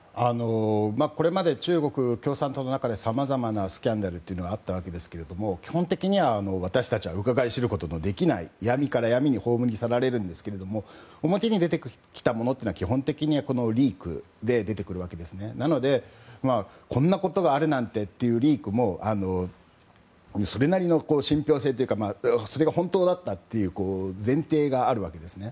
これまで中国共産党の中でさまざまなスキャンダルがあったわけですが基本的に私たちはうかがい知ることができない闇から闇に葬り去られるんですけども表に出てきたものというのは基本的にリークで出てくるわけなのでこんなことがあるなんてというリークもそれなりの信ぴょう性というかそれが本当だったという前提があるわけですね。